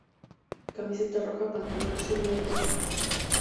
Camiseta Roja, Pantalón Azul, Medias Rojas.